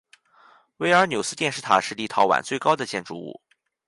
维尔纽斯电视塔是立陶宛最高的建筑物。